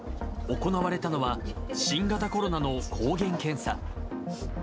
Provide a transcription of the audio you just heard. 行われたのは、新型コロナの抗原検査。